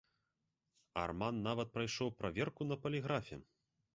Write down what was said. Арман нават прайшоў праверку на паліграфе.